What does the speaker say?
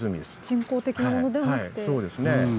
人工的なものではなくて。